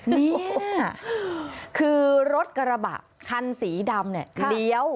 นี่คือรถกระบะคันสีดำเนี่ย